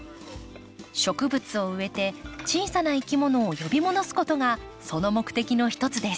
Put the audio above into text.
植物を植えて小さないきものを呼び戻すことがその目的のひとつです。